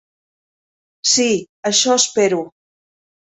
Sí, això espero.